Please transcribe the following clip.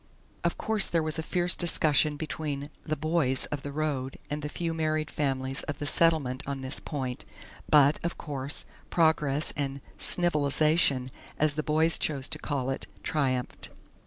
Of course there was a fierce discussion between "the boys" of the road and the few married families of the settlement on this point, but, of course, progress and "snivelization" as the boys chose to call it triumphed.